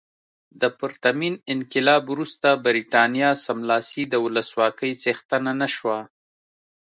تر پرتمین انقلاب وروسته برېټانیا سملاسي د ولسواکۍ څښتنه نه شوه.